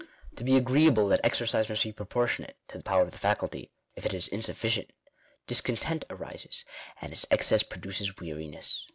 To be agreeable that I exercise must be proportionate to the power of the faculty ; if it is insufficient discontent arises, and its excess produces weariness.